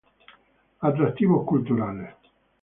Atractivos Culturales.